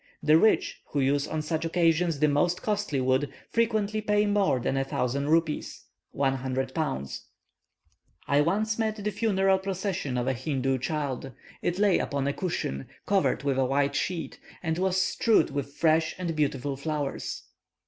The rich, who use on such occasions the most costly wood, frequently pay more than a thousand rupees (100 pounds). I once met the funeral procession of a Hindoo child. It lay upon a cushion, covered with a white sheet, and was strewed with fresh and beautiful flowers.